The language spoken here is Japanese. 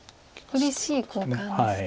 うれしい交換ですか。